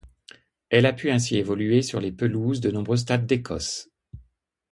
Elle a pu ainsi évoluer sur les pelouses de nombreux stades d'Écosse.